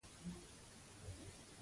تواب ودرېد او کوږ شو.